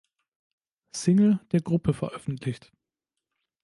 Single der Gruppe veröffentlicht.